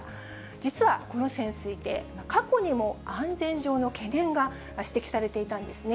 実はこの潜水艇、過去にも安全上の懸念が指摘されていたんですね。